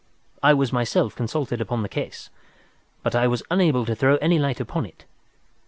I was myself consulted upon the case, but I was unable to throw any light upon it.